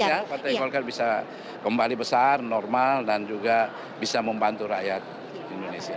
artinya partai golkar bisa kembali besar normal dan juga bisa membantu rakyat indonesia